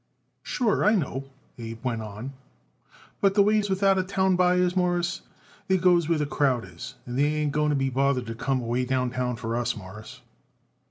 "Sure, I know," Abe went on, "but the way it is with out of town buyers, Mawruss, they goes where the crowd is, and they ain't going to be bothered to come way downtown for us, Mawruss."